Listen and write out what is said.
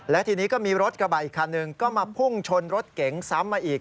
และทีนี้ก็มีรถกระบะอีกคันหนึ่งก็มาพุ่งชนรถเก๋งซ้ำมาอีก